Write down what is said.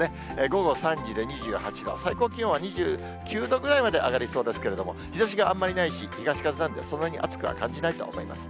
午後３時で２８度、最高気温は２９度ぐらいまで上がりそうですけれども、日ざしがあんまりないし、東風なんで、そんなに暑くは感じないと思います。